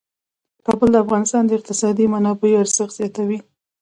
کابل د افغانستان د اقتصادي منابعو ارزښت زیاتوي.